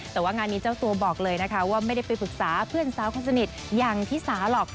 แต่ว่างานนี้เจ้าตัวบอกเลยนะคะว่าไม่ได้ไปปรึกษาเพื่อนสาวคนสนิทอย่างที่สาหรอก